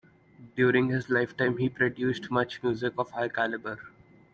During his lifetime, he produced much music of high caliber.